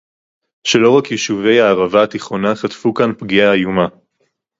שלא רק יישובי הערבה התיכונה חטפו כאן פגיעה איומה